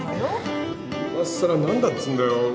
いまさら何だっつうんだよ。